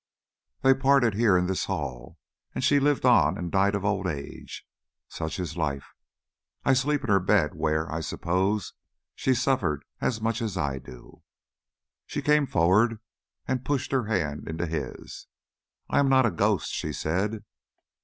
"They parted here in this hall and she lived on and died of old age. Such is life. I sleep in her bed, where, I suppose, she suffered much as I do." She came forward and pushed her hand into his. "I am not a ghost," she said.